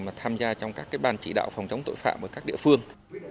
mà tham gia trong các ban chỉ đạo phòng chống tội phạm ở các địa phương